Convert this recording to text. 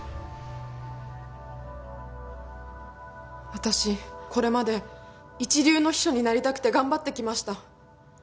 私これまで一流の秘書になりたくて頑張ってきました。